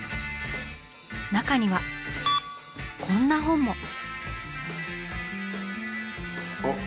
中にはこんな本も。